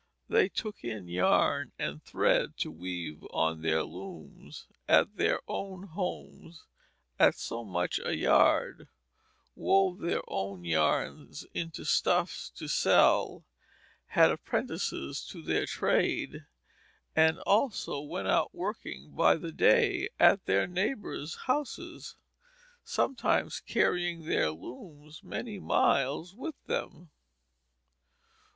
They took in yarn and thread to weave on their looms at their own homes at so much a yard; wove their own yarn into stuffs to sell; had apprentices to their trade; and also went out working by the day at their neighbors' houses, sometimes carrying their looms many miles with them.